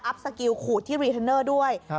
สกิลขูดที่รีเทนเนอร์ด้วย